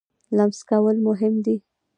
لمس کول مهم دی.